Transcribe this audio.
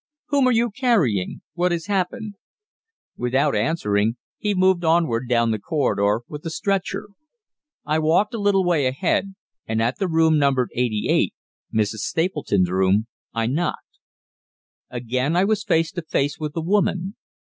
"Whom are you carrying? What has happened?" Without answering he moved onward down the corridor, with the stretcher. I walked a little way ahead, and at the room numbered eighty eight, Mrs. Stapleton's room, I knocked. Again I was face to face with the woman.